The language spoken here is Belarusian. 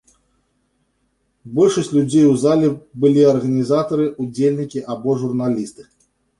Большасць людзей у зале былі арганізатары, удзельнікі або журналісты.